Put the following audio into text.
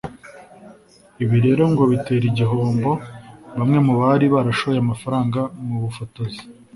Ibi rero ngo bitera igihombo bamwe mu bari barashoye amafaranga mu bufotozi